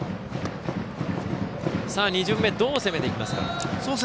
２巡目、どう攻めていきますか？